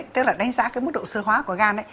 tức là đánh giá cái mức độ sơ hóa của gan